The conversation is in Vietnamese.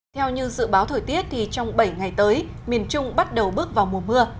theo như dự báo thời tiết trong bảy ngày tới miền trung bắt đầu bước vào mùa mưa